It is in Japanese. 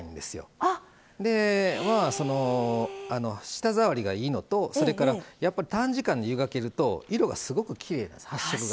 舌触りがいいのとそれからやっぱり短時間で湯がけると色がすごくきれいです。